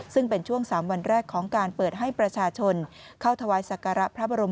ซึ่งเป็นช่วง๓วันแรกของการเปิดให้ประชาชนเข้าถวายสักการะพระบรม